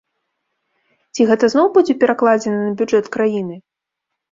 Ці гэта зноў будзе перакладзена на бюджэт краіны?